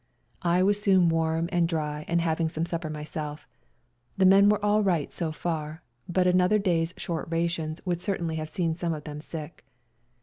I was soon warm and dry and having some supper myself. The men were all right so far, but another day's short rations would certainly have seen some of them sick.